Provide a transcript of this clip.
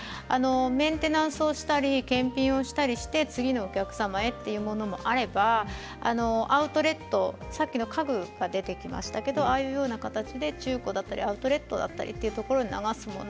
メンテナンスをしたり検品をしたりして次のお客様へというものもあればアウトレットさっき、家具が出てきましたけれどもああいう形で中古だったりアウトレットに流すもの